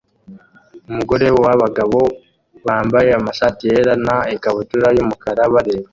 umurongo wabagabo bambaye amashati yera na ikabutura yumukara bareba